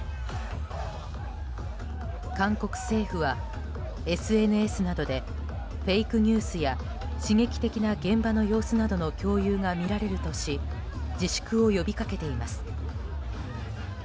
韓国政府は、ＳＮＳなどでフェイクニュースや刺激的な現場の様子などの共有が見られるとし自粛を呼びかけています。